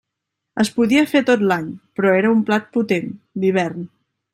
Es podia fer tot l'any, però era un plat potent, d'hivern.